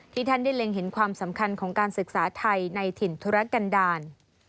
ท่านได้เล็งเห็นความสำคัญของการศึกษาไทยในถิ่นธุรกันดาล